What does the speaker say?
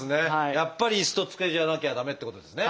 やっぱり椅子と机じゃなきゃ駄目ってことですね。